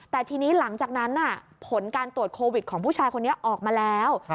แต่ทีนี้หลังจากนั้นผลการตรวจโควิดของผู้ชายคนนี้ออกมาแล้ว